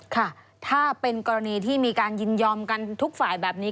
ค่ะถ้าเป็นกรณีที่มีการยินยอมกันทุกฝ่ายแบบนี้